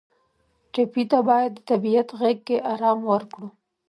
ټپي ته باید د طبیعت غېږ کې آرام ورکړو.